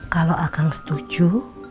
kalo akang setuju